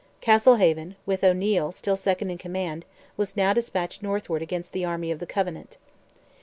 Castlehaven, with O'Neil still second in command, was now despatched northward against the army of the Covenant.